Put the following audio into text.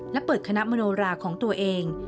และเปิดคณะมโนราของตัวเอง